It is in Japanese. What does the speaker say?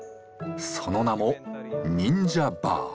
その名も「忍者バー」。